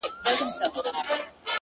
ستا شاعري گرانه ستا اوښکو وړې-